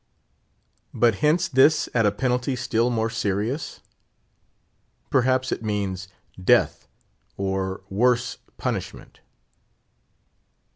But hints this at a penalty still more serious? Perhaps it means "death, or worse punishment."